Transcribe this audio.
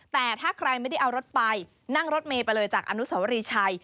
แต่ถ้าใครไม่ได้เอารถไปนั่งรถเมย์ไปเลยจากอนุสวรีชัย